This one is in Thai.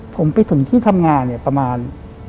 ผมไปถึงที่ทำงานประมาณ